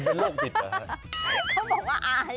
ใครบอกว่าอ้าย